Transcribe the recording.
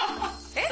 えっ？